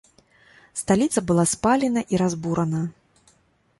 Сталіца была спалена і разбурана.